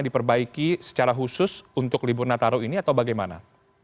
diperbaiki secara khusus untuk libur nataru ini atau bagaimana